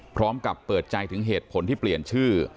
พร้อมกับเปิดใจถึงเหตุผลที่เปลี่ยนชื่อ